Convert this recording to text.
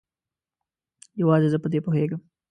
یوازې زه په دې پوهیږم